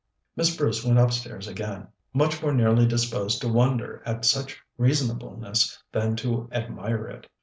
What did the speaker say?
Miss Bruce went upstairs again, much more nearly disposed to wonder at such reasonableness than to admire it.